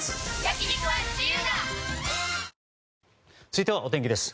続いてはお天気です。